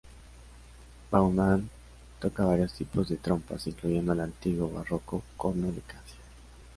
Baumann toca varios tipos de trompas, incluyendo el antiguo barroco "corno da caccia".